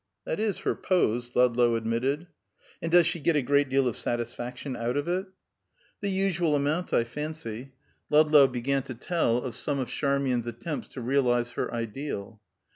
"That is her pose," Ludlow admitted. "And does she get a great deal of satisfaction out of it?" "The usual amount I fancy." Ludlow began to tell of some of Charmian's attempts to realize her ideal.